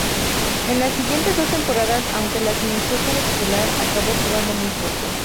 En las siguientes dos temporadas, aunque las inició como titular, acabó jugando muy poco.